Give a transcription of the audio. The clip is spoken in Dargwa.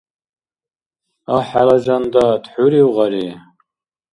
Агь, хӀела жан дат! ХӀурив, гъари?